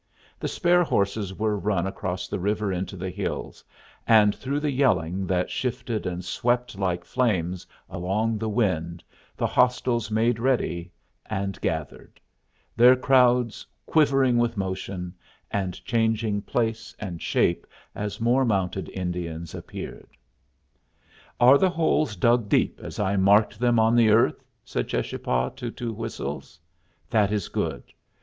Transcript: The spare horses were run across the river into the hills, and through the yelling that shifted and swept like flames along the wind the hostiles made ready and gathered, their crowds quivering with motion, and changing place and shape as more mounted Indians appeared. "Are the holes dug deep as I marked them on the earth?" said Cheschapah to Two Whistles. "That is good.